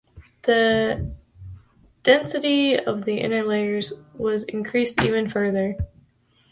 The density of the inner layers was increased even further.